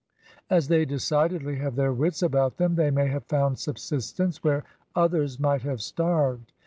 As they decidedly have their wits about them, they may have found subsistence where others might have starved.